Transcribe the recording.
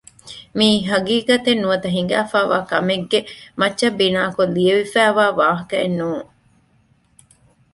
މީ ހަގީގަތެއް ނުވަތަ ހިނގައިފައިވާ ކަމެއްގެ މައްޗަށް ބިނާކޮށް ލިޔެވިފައިވާ ވާހަކައެއް ނޫން